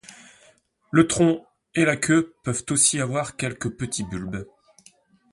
Le tronc et la queue peuvent aussi avoir quelques petits bulbes.